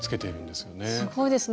すごいですね。